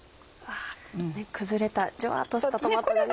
崩れたジュワっとしたトマトがね。